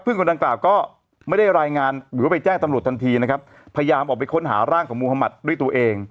คนดังกล่าวก็ไม่ได้รายงานหรือว่าไปแจ้งตำรวจทันทีนะครับพยายามออกไปค้นหาร่างของมุธมัติด้วยตัวเอง